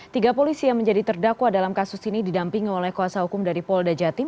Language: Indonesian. tiga polisi yang menjadi terdakwa dalam kasus ini didampingi oleh kuasa hukum dari polda jatim